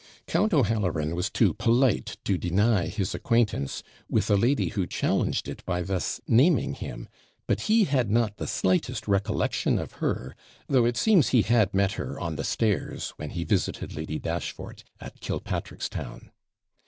Count O'Halloran was too polite to deny his acquaintance with a lady who challenged it by thus naming him; but he had not the slightest recollection of her, though it seems he had met her on the stairs when he visited Lady Dashfort at Killpatrickstown.